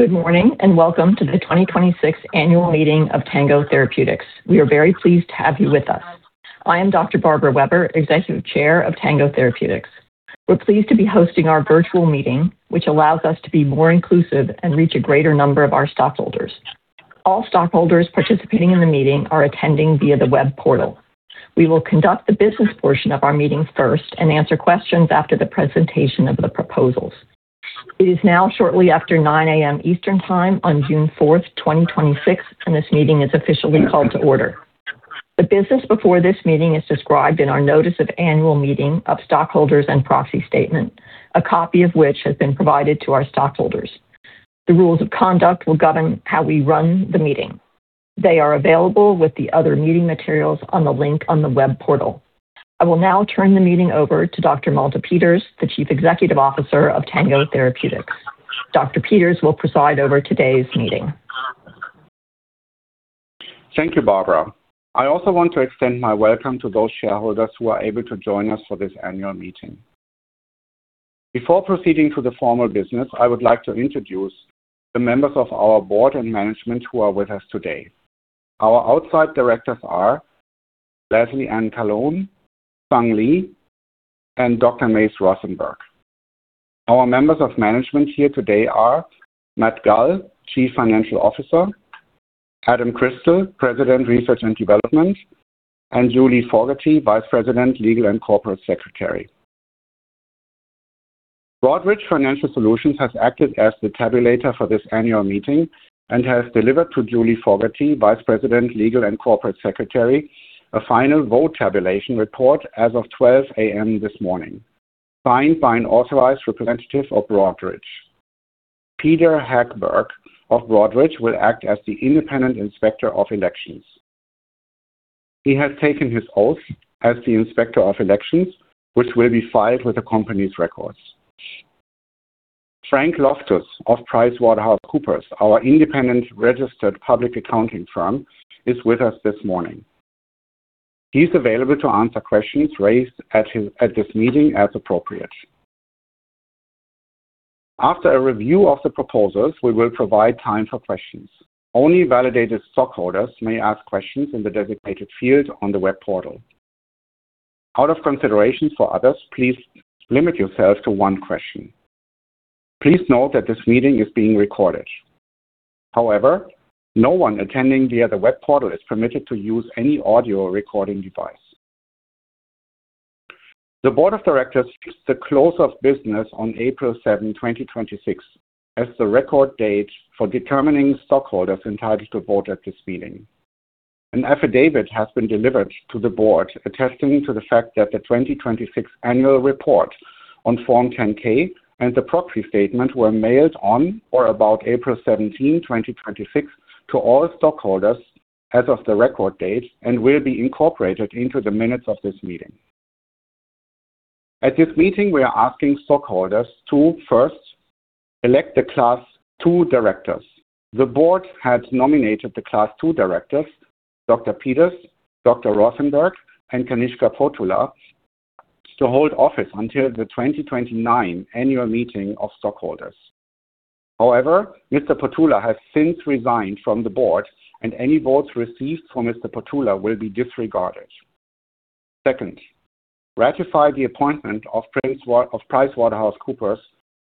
Good morning, and welcome to the 2026 Annual Meeting of Tango Therapeutics. We are very pleased to have you with us. I am Dr. Barbara Weber, Executive Chair of Tango Therapeutics. We're pleased to be hosting our virtual meeting, which allows us to be more inclusive and reach a greater number of our stockholders. All stockholders participating in the meeting are attending via the web portal. We will conduct the business portion of our meeting first and answer questions after the presentation of the proposals. It is now shortly after 9:00 A.M. Eastern Time on June 4th, 2026, and this meeting is officially called to order. The business before this meeting is described in our notice of annual meeting of stockholders and proxy statement, a copy of which has been provided to our stockholders. The rules of conduct will govern how we run the meeting. They are available with the other meeting materials on the link on the web portal. I will now turn the meeting over to Dr. Malte Peters, the Chief Executive Officer of Tango Therapeutics. Dr. Peters will preside over today's meeting. Thank you, Barbara. I also want to extend my welcome to those shareholders who are able to join us for this annual meeting. Before proceeding to the formal business, I would like to introduce the members of our board and management who are with us today. Our outside directors are Lesley Ann Calhoun, Sung Lee, and Dr. Mace Rothenberg. Our members of management here today are Matt Gall, Chief Financial Officer, Adam Crystal, President, Research and Development, and Julie Fogarty, Vice President, Legal and Corporate Secretary. Broadridge Financial Solutions has acted as the tabulator for this annual meeting and has delivered to Julie Fogarty, Vice President, Legal and Corporate Secretary, a final vote tabulation report as of 12:00 A.M. this morning, signed by an authorized representative of Broadridge. Peder Hagberg of Broadridge will act as the Independent Inspector of Elections. He has taken his oath as the Inspector of Elections, which will be filed with the company's records. Frank Loftus of PricewaterhouseCoopers, our independent registered public accounting firm, is with us this morning. He's available to answer questions raised at this meeting as appropriate. After a review of the proposals, we will provide time for questions. Only validated stockholders may ask questions in the designated field on the web portal. Out of consideration for others, please limit yourself to one question. Please note that this meeting is being recorded. No one attending via the web portal is permitted to use any audio recording device. The Board of Directors chose the close of business on April 7th, 2026, as the record date for determining stockholders entitled to vote at this meeting. An affidavit has been delivered to the board attesting to the fact that the 2026 annual report on Form 10-K and the Proxy Statement were mailed on or about April 17th, 2026 to all stockholders as of the record date and will be incorporated into the minutes of this meeting. At this meeting, we are asking stockholders to first elect the Class II directors. The board had nominated the Class II directors, Dr. Peters, Dr. Rothenberg, and Kanishka Pothula, to hold office until the 2029 annual meeting of stockholders. However, Mr. Pothula has since resigned from the board, any votes received for Mr. Pothula will be disregarded. Second, ratify the appointment of PricewaterhouseCoopers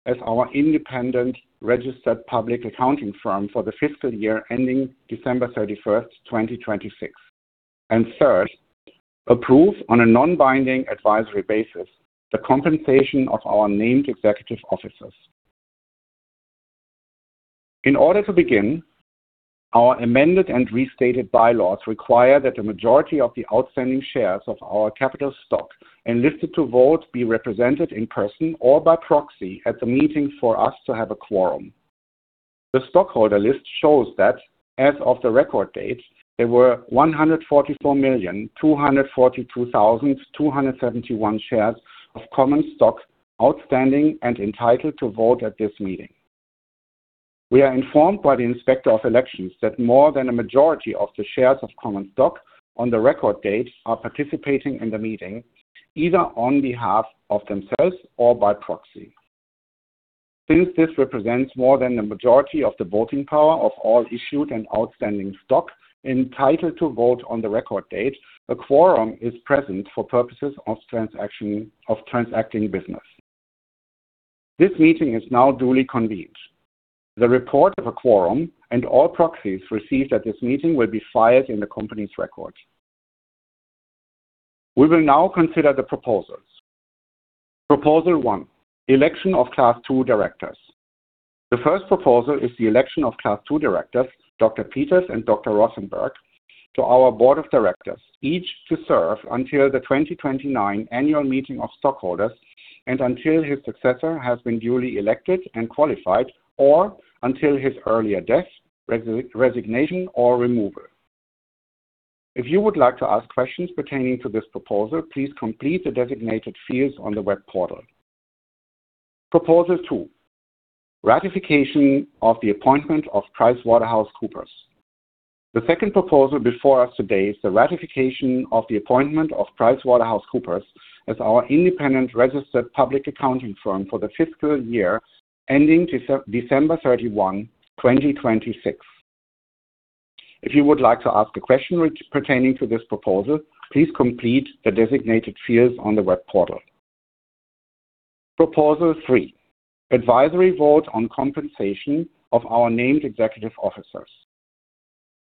as our independent registered public accounting firm for the fiscal year ending December 31st, 2026. Third, approve on a non-binding advisory basis the compensation of our named executive officers. In order to begin, our amended and restated bylaws require that the majority of the outstanding shares of our capital stock enlisted to vote be represented in person or by proxy at the meeting for us to have a quorum. The stockholder list shows that as of the record date, there were 144,242,271 shares of common stock outstanding and entitled to vote at this meeting. We are informed by the Inspector of Elections that more than a majority of the shares of common stock on the record date are participating in the meeting, either on behalf of themselves or by proxy. Since this represents more than the majority of the voting power of all issued and outstanding stock entitled to vote on the record date, a quorum is present for purposes of transacting business. This meeting is now duly convened. The report of a quorum and all proxies received at this meeting will be filed in the company's records. We will now consider the proposals. Proposal 1, election of Class II directors. The first proposal is the election of Class II directors, Dr. Peters and Dr. Rothenberg, to our board of directors, each to serve until the 2029 annual meeting of stockholders and until his successor has been duly elected and qualified or until his earlier death, resignation, or removal. If you would like to ask questions pertaining to this proposal, please complete the designated fields on the web portal. Proposal 2, ratification of the appointment of PricewaterhouseCoopers. The second proposal before us today is the ratification of the appointment of PricewaterhouseCoopers as our independent registered public accounting firm for the fiscal year ending December 31, 2026. If you would like to ask a question pertaining to this proposal, please complete the designated fields on the web portal. Proposal 3, advisory vote on compensation of our named executive officers.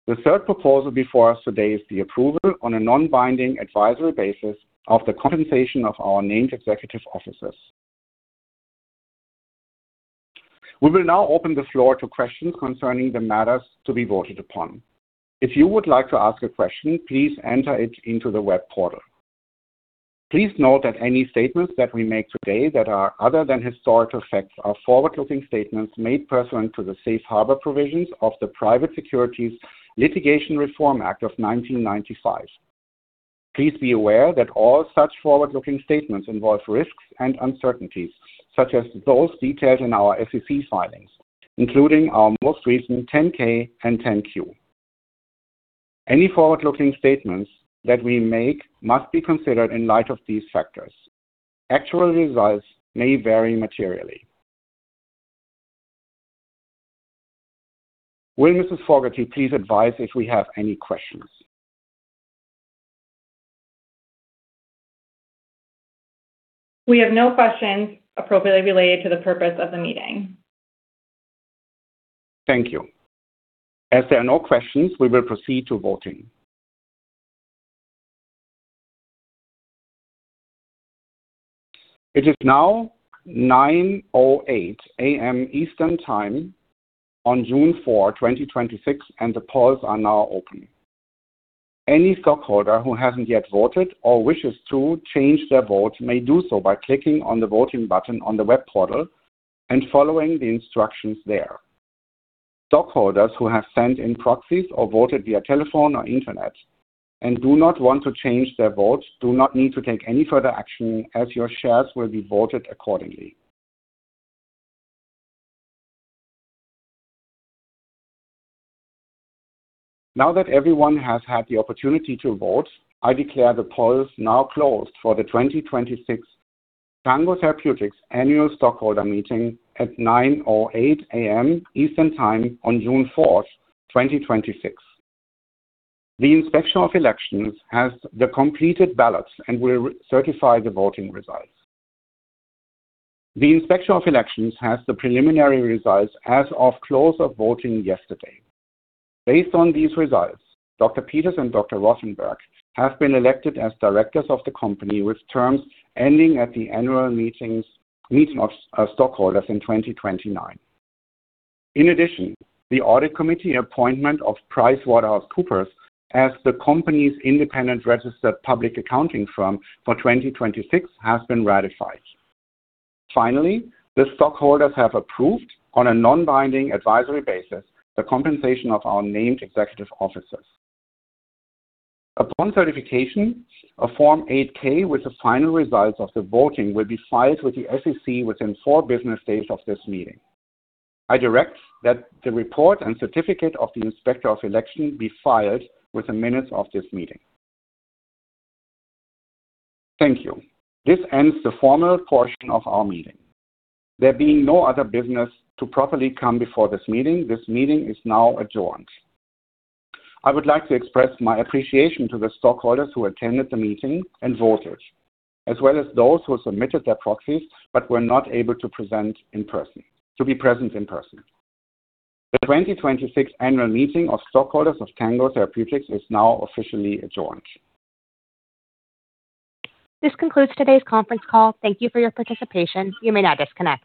The third proposal before us today is the approval on a non-binding advisory basis of the compensation of our named executive officers. We will now open the floor to questions concerning the matters to be voted upon. If you would like to ask a question, please enter it into the web portal. Please note that any statements that we make today that are other than historical facts are forward-looking statements made pursuant to the safe harbor provisions of the Private Securities Litigation Reform Act of 1995. Please be aware that all such forward-looking statements involve risks and uncertainties, such as those detailed in our SEC filings, including our most recent 10-K and 10-Q. Any forward-looking statements that we make must be considered in light of these factors. Actual results may vary materially. Will Mrs. Fogarty please advise if we have any questions? We have no questions appropriately related to the purpose of the meeting. Thank you. As there are no questions, we will proceed to voting. It is now 9:08 A.M. Eastern Time on June 4, 2026. The polls are now open. Any stockholder who hasn't yet voted or wishes to change their vote may do so by clicking on the voting button on the web portal and following the instructions there. Stockholders who have sent in proxies or voted via telephone or internet and do not want to change their votes do not need to take any further action, as your shares will be voted accordingly. Now that everyone has had the opportunity to vote, I declare the polls now closed for the 2026 Tango Therapeutics Annual Stockholder Meeting at 9:08 A.M. Eastern Time on June 4th, 2026. The Inspector of Elections has the completed ballots and will certify the voting results. The Inspector of Elections has the preliminary results as of close of voting yesterday. Based on these results, Dr. Peters and Dr. Rothenberg have been elected as directors of the company with terms ending at the annual meetings of stockholders in 2029. In addition, the audit committee appointment of PricewaterhouseCoopers as the company's independent registered public accounting firm for 2026 has been ratified. Finally, the stockholders have approved, on a non-binding advisory basis, the compensation of our named executive officers. Upon certification, a Form 8-K with the final results of the voting will be filed with the SEC within four business days of this meeting. I direct that the report and certificate of the Inspector of Election be filed with the minutes of this meeting. Thank you. This ends the formal portion of our meeting. There being no other business to properly come before this meeting, this meeting is now adjourned. I would like to express my appreciation to the stockholders who attended the meeting and voted, as well as those who submitted their proxies but were not able to be present in person. The 2026 annual meeting of stockholders of Tango Therapeutics is now officially adjourned. This concludes today's conference call. Thank you for your participation. You may now disconnect.